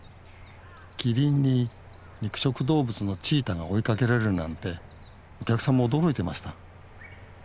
キリンに肉食動物のチーターが追いかけられるなんてお客さんも驚いてました。